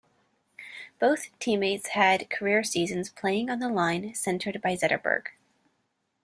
Both teammates had career seasons playing on the line centered by Zetterberg.